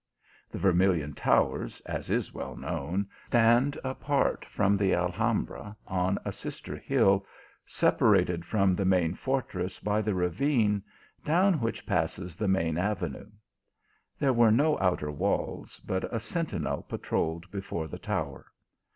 The Vermilion towers, as is well known, stand apart from the Al hambra, on a sister hill separated from the main fortress by the lavine, down which passes the maia avenue. There were no outer walls, but a sentinel patrolled before the tower.